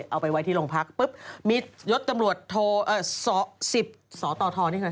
เอาไปไว้ที่โรงพักปึ๊บมียกตำรวจโทแห่ง๑๐ตำรวจโท